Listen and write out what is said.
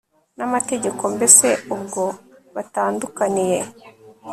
n'amategeko? mbese ubwo batandukaniye